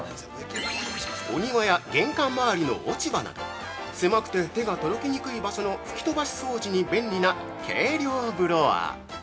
◆お庭や玄関周りの落ち葉など狭くて手が届きにくい場所の吹き飛ばし掃除に便利な軽量ブロワ。